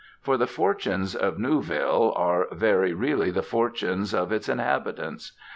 For the fortunes of Newville are very really the fortunes of its inhabitants.